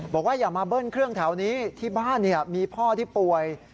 อย่ามาเบิ้ลเครื่องแถวนี้ที่บ้านมีพ่อที่ป่วย